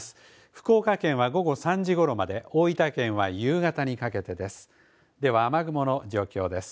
福岡県は午後３時ごろまで、大分県は夕方にかけてです。